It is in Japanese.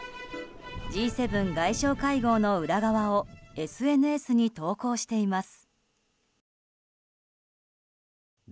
Ｇ７外相会合の裏側をＳＮＳに投稿しています。